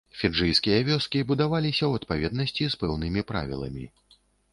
Фіджыйскія вёскі будаваліся ў адпаведнасці з пэўнымі правіламі.